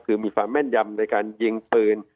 คือมีความแม่นยำในการยิงปืน